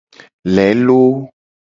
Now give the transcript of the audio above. Lelo.